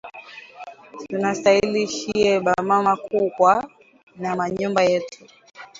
Tunastaili shiye ba mama kukwa na ma nyumba yetu